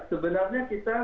sebenarnya kita sudah